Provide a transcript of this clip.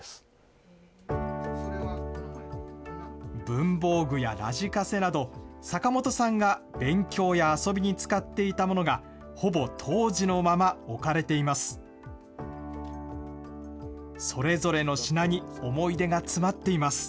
文房具やラジカセなど、坂本さんが勉強や遊びに使っていたものが、ほぼ当時のまま置かれています。